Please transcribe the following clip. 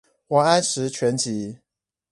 王安石全集